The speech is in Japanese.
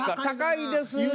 高いです。